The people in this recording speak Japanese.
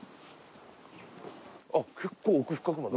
あっ結構奥深くまで。